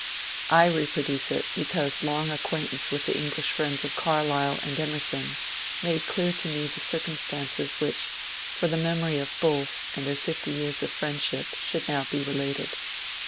I reproduce it because long acquaintance with the English friends of Carlyle and Emerson made clear to me the circumstances which, for the memory of both and their fifty years of friendship, should now be related.